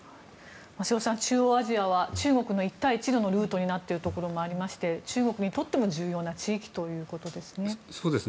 瀬尾さん、中央アジアは中国の一帯一路のルートになっているところもありまして中国にとっても重要な地域ということですね。